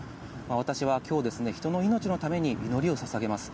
私はきょうですね、人の命のために祈りをささげます。